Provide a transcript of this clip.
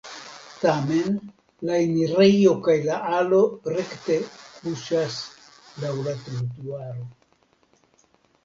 Tamen la enirejo kaj la alo rekte kuŝas laŭ la trutuaro.